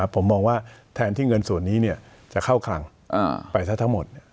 ผมมองว่าแทนที่เงินส่วนนี้จะเข้าคลังไปซะทั้งหมด